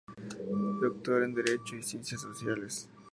Doctor en Derecho y Ciencias Sociales.